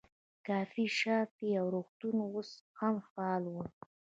کافې شاپ او روغتونونه اوس هم فعال ول.